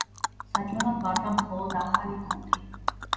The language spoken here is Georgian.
საჭმელად ვარგა მხოლოდ ახალი ქუდი.